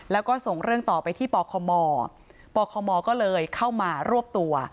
แล้วก็ส่งเรื่องต่อไปที่ปคมปคมก็เลยเข้ามารวบตัว